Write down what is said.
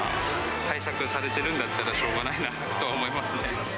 対策されてるんだったら、しょうがないなとは思いますね。